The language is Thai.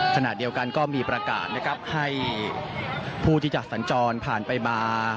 ขณะเดียวกันก็มีประกาศนะครับให้ผู้ที่จะสัญจรผ่านไปมา